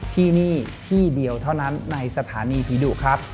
ที่นี่ที่เดียวเท่านั้นในสถานีผีดุครับ